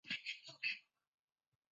上关町是位于山口县东南部的一町。